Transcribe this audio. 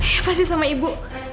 ya pasti sama ibu